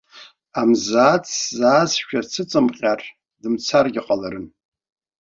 Амзаатә сзаазшәа сыҵымҟьар, дымцаргьы ҟаларын!